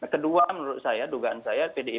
kedua menurut saya dugaan saya pdip akan berkoalisi